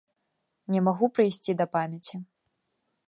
Не магу прыйсці да памяці.